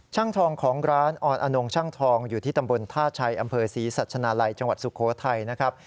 ทองของร้านออนอนงช่างทองอยู่ที่ตำบลท่าชัยอำเภอศรีสัชนาลัยจังหวัดสุโขทัยนะครับ